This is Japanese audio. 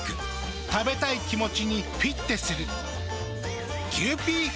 食べたい気持ちにフィッテする。